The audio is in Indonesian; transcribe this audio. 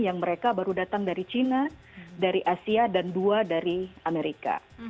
yang mereka baru datang dari cina dari asia dan dua dari amerika